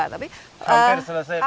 hampir selesai periode kedua